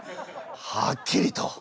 はっきりと。